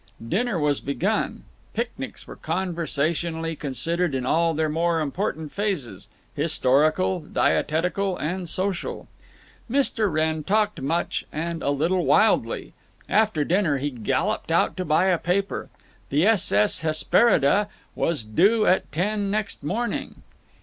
Dinner was begun. Picnics were conversationally considered in all their more important phases—historical, dietetical, and social. Mr. Wrenn talked much and a little wildly. After dinner he galloped out to buy a paper. The S.S. Hesperiida was due at ten next morning.